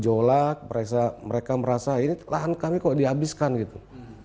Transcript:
iya masyarakat itu bergejolak mereka merasa ini lahan kami kok dihabiskan gitu